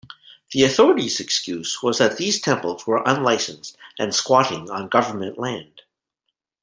The authorities' excuse was that these temples were unlicensed and squatting on government land.